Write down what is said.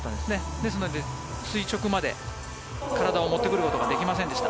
ですので垂直まで体を持ってくることができませんでした。